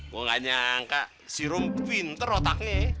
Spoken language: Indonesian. gue gak nyangka si rom pinter otaknya ya